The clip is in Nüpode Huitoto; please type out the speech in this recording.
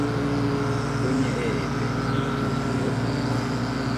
¿Bueñe eede?, ¿ikɨdɨo?